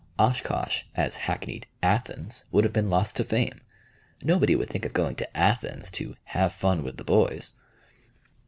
Oshkosh, as hackneyed "Athens," would have been lost to fame. Nobody would think of going to "Athens" to "have fun with the boys."